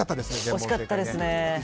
惜しかったですね。